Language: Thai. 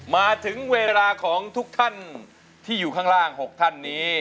มาถึงเวลาของทุกท่านที่อยู่ข้างล่าง๖ท่านนี้